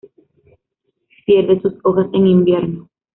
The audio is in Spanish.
Pierde sus hojas en invierno.